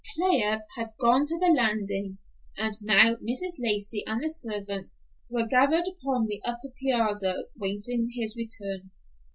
Claib had gone to the landing, and now Mrs. Lacey and the servants were gathered upon the upper piazza, waiting his return.